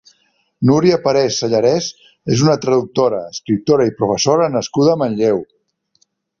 Núria Parés Sellarès és una traductora, escriptora i professora nascuda a Manlleu.